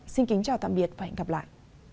xin kính chào tạm biệt và hẹn gặp lại